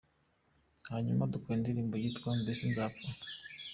Hanyuma dukora indirimbo yitwa “Mbese Nzapfa”.